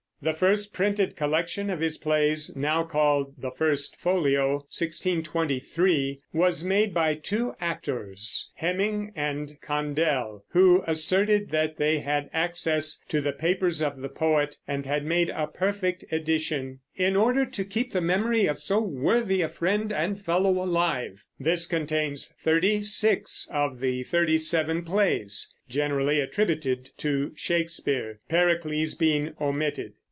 The first printed collection of his plays, now called the First Folio (1623), was made by two actors, Heming and Condell, who asserted that they had access to the papers of the poet and had made a perfect edition, "in order to keep the memory of so worthy a friend and fellow alive." This contains thirty six of the thirty seven plays generally attributed to Shakespeare, Pericles being omitted.